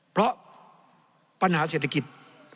เพราะปัญหาเศรษฐกิจ